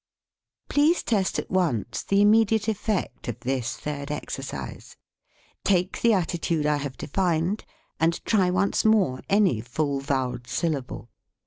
Please test at once the immediate effect of this third exercise. Take the attitude I have defined, and try once more any full vo welled syllable.